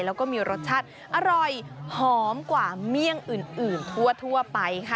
แล้วก็มีรสชาติอร่อยหอมกว่าเมี่ยงอื่นทั่วไปค่ะ